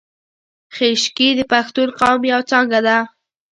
خیشکي د پښتون قوم یو څانګه ده